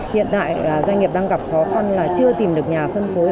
hiện tại doanh nghiệp đang gặp khó khăn là chưa tìm được nhà phân phối